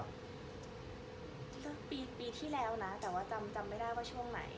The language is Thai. ก็ปีที่แล้วนะแต่ว่าจำไม่ได้ว่าช่วงไหน